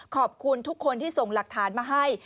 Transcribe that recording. ขอบคุณทุกคนที่ส่งหลักฐานมาให้